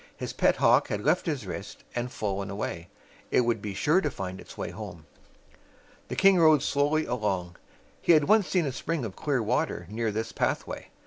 His pet hawk had left his wrist and flown away. It would be sure to find its way home. The king rode slowly along. He had once seen a spring of clear water near this path way.